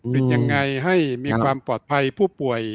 ยังไงให้มีความปลอดภัยผู้ป่วย